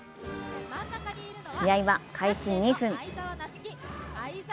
試合は開始２分。